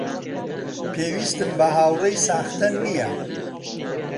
پێویستم بە هاوڕێی ساختە نییە.